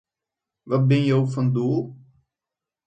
Wat binne jo fan doel?